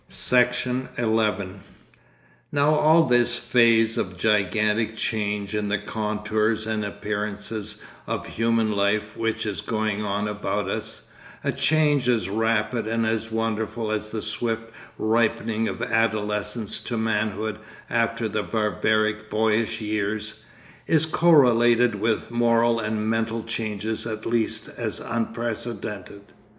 ... Section 10 Now all this phase of gigantic change in the contours and appearances of human life which is going on about us, a change as rapid and as wonderful as the swift ripening of adolescence to manhood after the barbaric boyish years, is correlated with moral and mental changes at least as unprecedented.